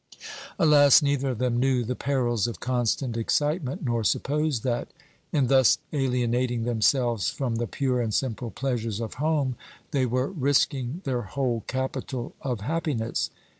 Alas! neither of them knew the perils of constant excitement, nor supposed that, in thus alienating themselves from the pure and simple pleasures of home, they were risking their whole capital of happiness.